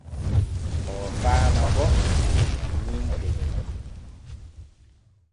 Oo faama bo ko janŋintee.